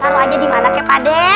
taro aja dimana ke pade